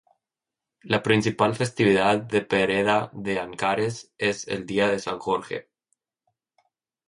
La principal festividad de Pereda de Ancares es el día de San Jorge.